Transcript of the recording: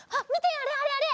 あれあれあれ！